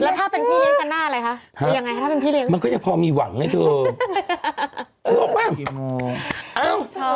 แล้วถ้าเป็นพี่เลี้ยงจะหน้าอะไรคะ